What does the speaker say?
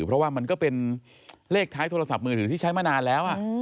เพราะว่ามันก็เป็นเลขท้ายโทรศัพท์มือถือที่ใช้มานานแล้ว